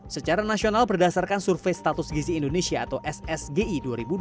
secara nasional berdasarkan survei status gizi indonesia atau ssgi dua ribu dua puluh